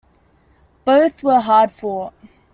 Both were hard fought.